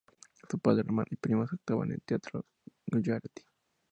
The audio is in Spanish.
Su padre, hermana y primos actuaban en teatro guyaratí.